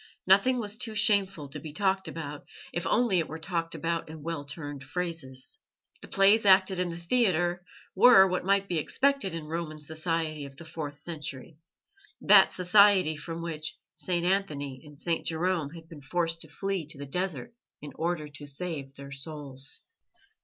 Nothing was too shameful to be talked about, if only it were talked about in well turned phrases. The plays acted in the theatre were what might be expected in Roman society of the fourth century that society from which St. Anthony and St. Jerome had been forced to flee to the desert in order to save their souls.